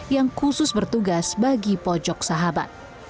yang khusus bertugas bagi pojok sahabat